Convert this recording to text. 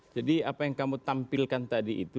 jadi apa yang kamu tampilkan tadi itu